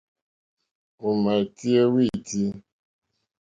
Ò màá tíyɛ́ wítí.